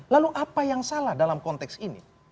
lalu apa yang salah dalam konteks ini